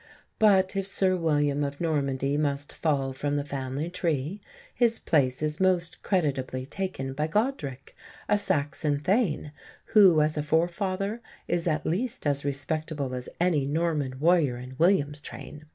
But if Sir William of Normandy must fall from the family tree, his place is most creditably taken by Godric, a Saxon Thane, who, as a forefather, is at least as respectable as any Norman warrior in William's train.